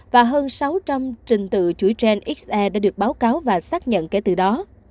và hơn sáu trăm linh trình tự chuỗi genxe đã được báo cáo và xác nhận kể từ đó